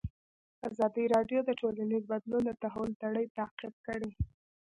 ازادي راډیو د ټولنیز بدلون د تحول لړۍ تعقیب کړې.